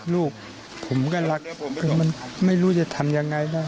ลูกผมก็รักแล้วมันไม่รู้จะทำอย่างไรได้